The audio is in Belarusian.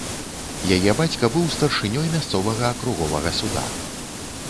Яе бацька быў старшынёй мясцовага акруговага суда.